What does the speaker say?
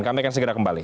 kami akan segera kembali